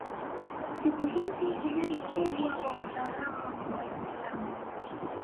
Siku hizi idadi kubwa wa Wazaramo ni Waislamu